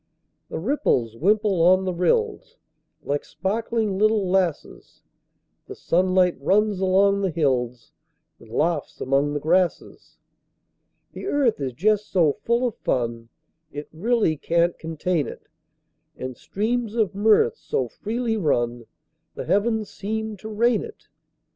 The ripples wimple on the rills, Like sparkling little lasses; The sunlight runs along the hills, And laughs among the grasses. The earth is just so full of fun It really can't contain it; And streams of mirth so freely run The heavens seem to rain it.